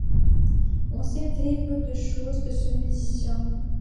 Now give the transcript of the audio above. On sait très peu de choses de ce musicien.